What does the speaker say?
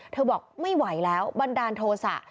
บอกไม่ไหวแล้วบันดาลโทษะ